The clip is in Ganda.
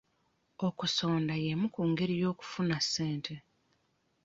Okusonda emu ku ngeri y'okufuna ssente.